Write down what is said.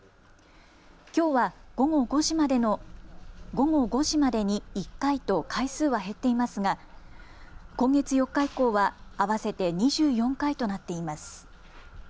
きょうは午後５時までに１回と回数は減っていますが今月４日以降は合わせて２４回となっています。